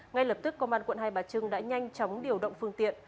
ngay lập tức công an quận hai bà trưng đã nhanh chóng điều động phương tiện